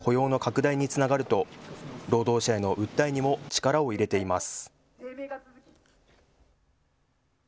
経済の成長が賃金の上昇や雇用の拡大につながると労働者への訴えにも力を入れています。